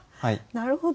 なるほど。